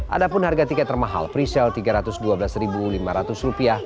ada pun harga tiket termahal pre sale rp tiga ratus dua belas lima ratus